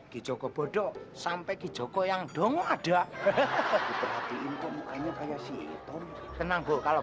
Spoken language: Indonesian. gijoko bodoh sampai gijoko yang dong ada keperhatian kemukanya saya sih tenang bu kalau